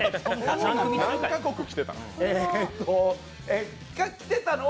何カ国来てたの？